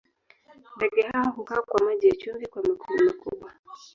Ndege hawa hukaa kwa maji ya chumvi kwa makundi makubwa.